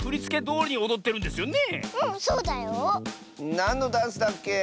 なんのダンスだっけ？